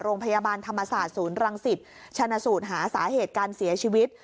โรงพยาบาลธรรมศาสตร์ศูนย์รังสิตชนะสูตรหาสาเหตุการเสียชีวิต